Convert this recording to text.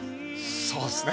そうですね。